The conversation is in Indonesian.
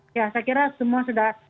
saya kira semua sudah